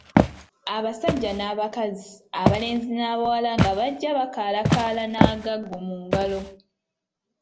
Abasajja n’abakazi, abalenzi n’abawala nga bajja bakaalakaala n’agaggo mu ngalo.